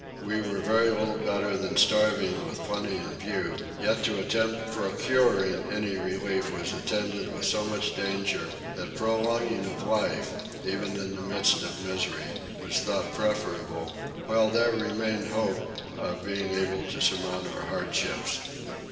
We were very little better than starving with plenty in view; yet to attempt procuring any relief was attended with so much danger that prolonging of life, even in the midst of misery, was thought preferable, while there remained hopes of being able to surmount our hardships.